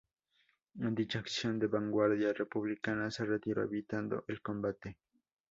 En dicha acción la vanguardia republicana se retiró evitando el combate.